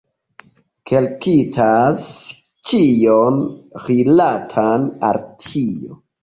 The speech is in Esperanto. Kolektas ĉion rilatan al tio.